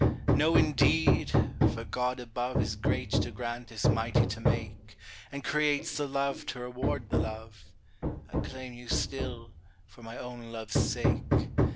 No, indeed! for God above Is great to grant as mighty to make, And creates the love to reward the love; I claim you still, for my own love's sake!